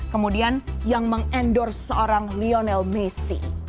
kemudian yang meng endorse seorang lionel messi